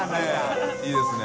佑Аいいですね